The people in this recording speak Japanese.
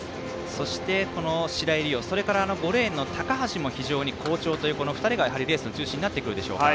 そして、白井璃緒それから５レーンの高橋も非常に好調という２人がレースの中心になってくるでしょうか。